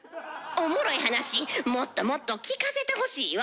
おもろい話もっともっと聞かせてほしいわ。